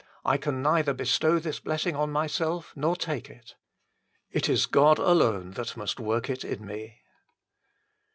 " I can neither bestow this blessing on myself nor take it. It is God alone that must work it in me."